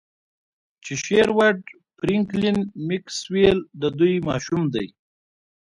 چې شیروډ فرینکلین میکسویل د دوی ماشوم دی